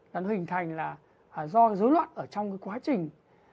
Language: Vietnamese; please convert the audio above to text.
đã hình thành là do dối loạn ở trong quá trình